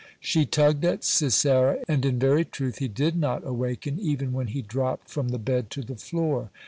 She tugged at Sisera, and in very truth he did not awaken even when he dropped from the bed to the floor.